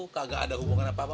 kagak ada hubungan apa apa